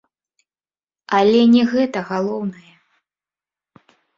Але не гэта галоўнае.